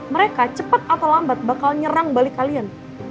mereka cepat atau lambat bakal nyerang balik kalian